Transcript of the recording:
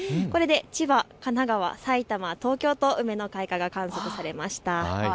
これで千葉、神奈川、埼玉、東京と梅の開花が観測されました。